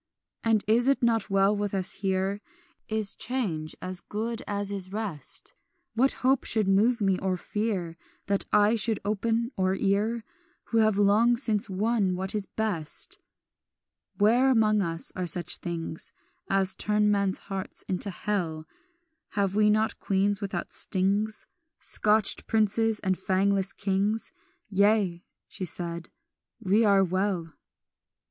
"And is it not well with us here? Is change as good as is rest? What hope should move me, or fear, That eye should open or ear, Who have long since won what is best? "Where among us are such things As turn men's hearts into hell? Have we not queens without stings, Scotched princes, and fangless kings? Yea," she said, "we are well.